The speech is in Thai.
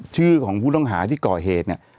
ชื่อของผู้ต้องหาที่ก่อเหตุเนี่ย